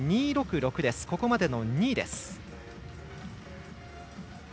ここまでの２位です。